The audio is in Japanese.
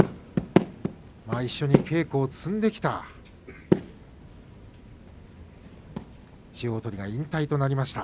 一緒に稽古を積んできた千代鳳が引退となりました。